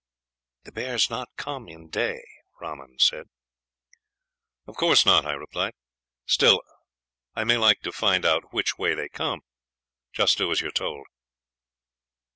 "'The bears not come in day,' Rahman said. "'Of course not,' I replied; 'still I may like to find out which way they come. Just do as you are told.'